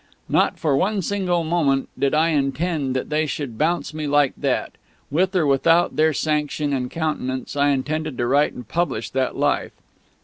Not for one single moment did I intend that they should bounce me like that. With or without their sanction and countenance, I intended to write and publish that "Life."